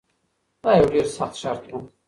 دا یو ډیر سخت شرط و.